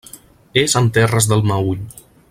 És en terres del Meüll.